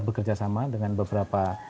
bekerja sama dengan beberapa